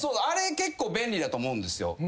あれ結構便利だと思うんですよ。